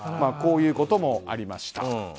こういうこともありました。